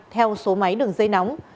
theo số máy đường dây nóng